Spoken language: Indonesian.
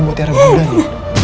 buat tiara gudanya